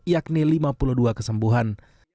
yakni lima puluh dua kesembuhan